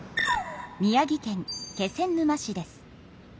宮城県気仙沼市です。